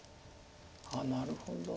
あっなるほど。